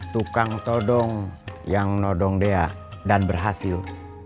tukang todong yang nodong dea dan berhasil